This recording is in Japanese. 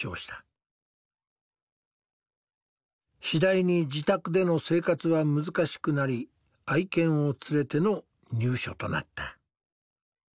次第に自宅での生活は難しくなり愛犬を連れての入所となった。